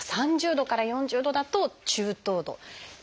３０度から４０度だと「中等度」。